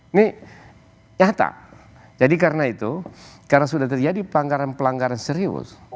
ini nyata jadi karena itu karena sudah terjadi pelanggaran pelanggaran serius